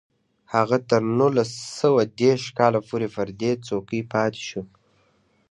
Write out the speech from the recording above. هغه تر نولس سوه دېرش کال پورې پر دې څوکۍ پاتې شو